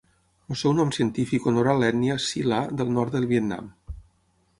El seu nom científic honora l'ètnia Si La del nord del Vietnam.